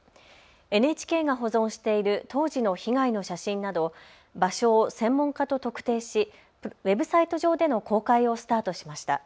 ＮＨＫが保存している当時の被害の写真など、場所を専門家と特定しウェブサイト上での公開をスタートしました。